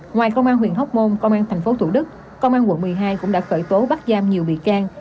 ngoài công an huyện hóc môn công an tp thủ đức công an quận một mươi hai cũng đã khởi tố bắt giam nhiều bị can